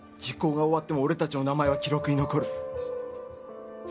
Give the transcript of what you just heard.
時効が終わっても俺達の名前は記録に残る